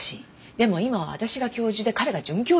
でも今は私が教授で彼が准教授。